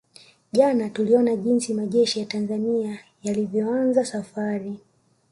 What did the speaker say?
Jana tuliona jinsi majeshi ya Tanzania yalivyoanza safari